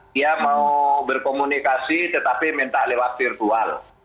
dia mau berkomunikasi tetapi minta lewat virtual